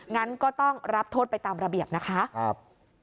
งั้นก็ต้องรับโทษไปตามระเบียบนะคะ